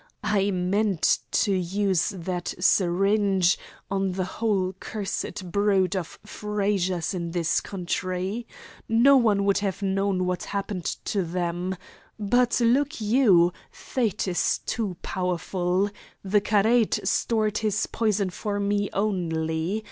I meant to use that syringe on the whole cursed brood of Frazers in this country. No one would have known what happened to them. But look you, Fate is too powerful. The karait stored his poison for me only.